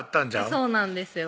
そうなんですよ